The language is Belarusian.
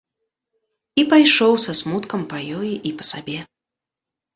І пайшоў са смуткам па ёй і па сабе.